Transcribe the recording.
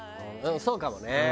そうかもね。